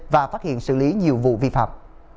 và phát hiện xử lý nhiều vụ vi phạm